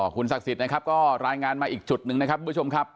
คุณศักดิ์สิทธิ์นะครับก็รายงานมาอีกจุดนึงนะครับ